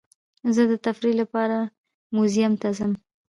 زه د تفریح لپاره میوزیم ته ځم.